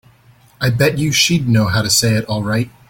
I bet you she'd know how to say it all right.